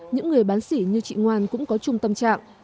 những người bán sỉ như chị ngoan cũng có chung tâm trạng